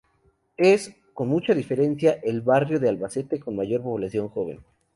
Es, con mucha diferencia, el barrio de Albacete con mayor población joven.